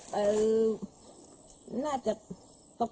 สวัสดีครับ